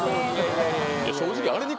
正直あれに。